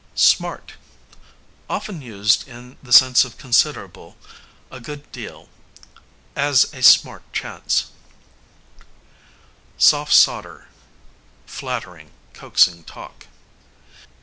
Smart, often used in the sense of considerable, a good deal, as a smart chance. Soft sawder, flattering, coaxing talk.